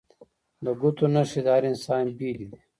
د ګوتو نښې د هر انسان بیلې دي